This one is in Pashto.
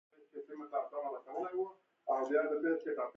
مصوبه څه ته وایي؟